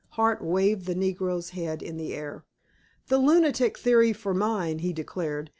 Hart waved the negro's head in the air. "The lunatic theory for mine," he declared.